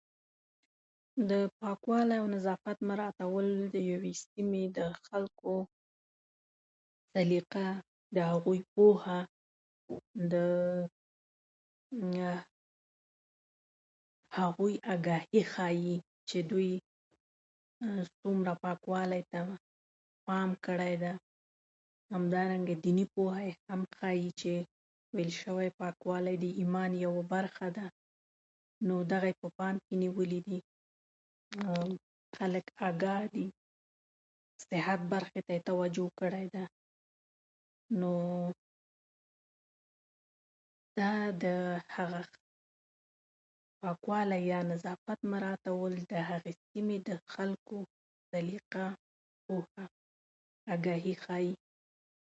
د پاکوالي او نظافت مراعتول د یوې سیمې د خلکو سلیقه، د هغوی پوهه، د هغوی آګاهي ښيي چې دوی څومره پاکوالي ته پام کړی ده. همدارنګه دیني پوهه یې هم ښيي چې ویل شوي پاکوالی د ایمان یوه برخه ده. نو دغه یې په پام کې نیولي دي، خلک آګاه دي، صحت برخې ته یې توجه کړې ده. نو دا د هغه پاکوالی یا نظافت مراعتول د هغې سیمې د خلکو سلیقه، پوهه، آګاهي ښيي.